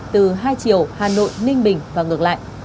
từ hai chiều hà nội ninh bình và ngược lại